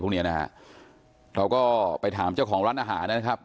แล้วเราไปถามเขาเจ้าของร้านอาหารนะครับ